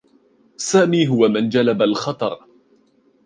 سامي هو من جلب الخطر.